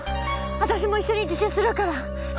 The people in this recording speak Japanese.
私も一緒に自首するから！